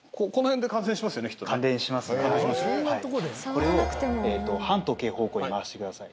これを反時計方向に回してください。